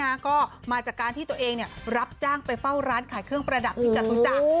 ก็มาจากการที่ตัวเองเนี่ยรับจ้างไปเฝ้าร้านขายเครื่องประดับที่จตุจักร